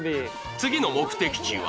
次の目的地は。